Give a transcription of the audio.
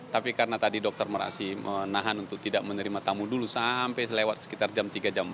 tapi karena tadi dokter merasa menahan untuk tidak menerima tamu dulu sampai lewat sekitar jam tiga jam